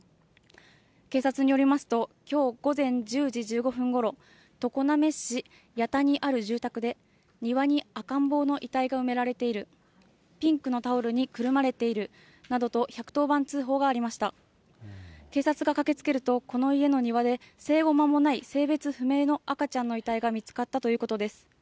警察によりますと、きょう午前１０時１５分ごろ、常滑市やたにある住宅で、庭に赤ん坊の遺体が埋められている、ピンクのタオルにくるまれているなどと、１１０番通報がありましこの家の庭で生後間もない性別不明の赤ちゃんの遺体が見つかったということです。